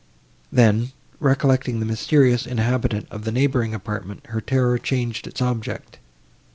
Then, recollecting the mysterious inhabitant of the neighbouring apartment, her terror changed its object.